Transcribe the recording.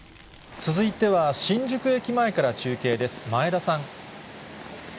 続いては新宿駅前から中継です、前田さん。